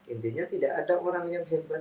intinya tidak ada orang yang hebat